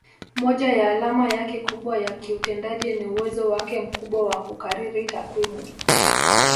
Moja ya alama yake kubwa ya kiutendaji ni uwezo wake mkubwa wa kukariri takwimu